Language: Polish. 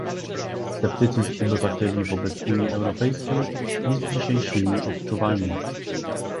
Sceptycyzm obywateli wobec Unii Europejskiej jest dzisiaj silnie odczuwalny